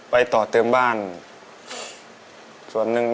ต่อเติมบ้านส่วนหนึ่ง